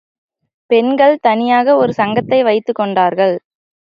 பெண்கள் தனியாக ஒரு சங்கத்தை வைத்துக் கொண்டார்கள்.